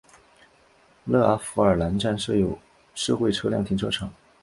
勒阿弗尔站南侧设有社会车辆停车场。